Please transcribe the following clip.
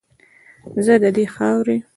زه ددې خاورې